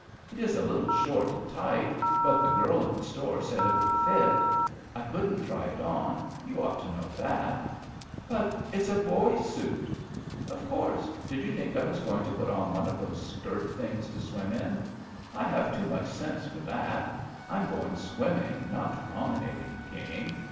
"It is a little short and tight^ but the girl in the store said it would fit. I couldn't try it on. You ought to know that." JUST SWEETHEARTS "But it's a boy's suit!" 0f course. Did you think I was going to put on one of those skirt things to swim in? I have too much sense for that. I'm going swimming, not promenading, King.